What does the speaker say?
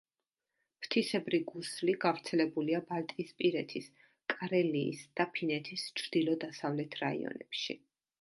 ფრთისებრი გუსლი გავრცელებულია ბალტიისპირეთის, კარელიის და ფინეთის ჩრდილო-დასავლეთ რაიონებში.